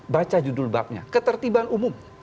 baca judul babnya ketertiban umum